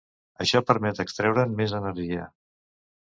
Això permet extreure'n més energia.